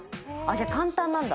じゃあ簡単なんだ。